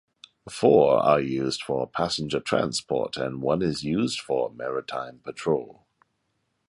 Four are used for passenger transport and one is used for maritime patrol.